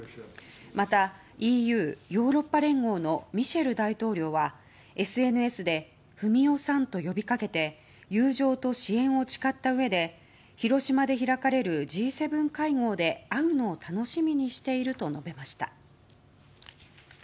また、ＥＵ・ヨーロッパ連合のミシェル大統領はＳＮＳでフミオサンと呼び掛けて友情と支援を誓ったうえで広島で開かれるＧ７会合で会うのを楽しみにしていると述べました。